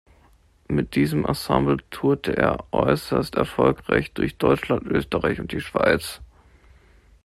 Mit diesem Ensemble tourte er äußerst erfolgreich durch Deutschland, Österreich und die Schweiz.